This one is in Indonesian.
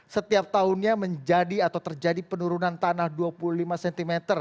setiap tahunnya menjadi atau terjadi penurunan tanah dua puluh lima cm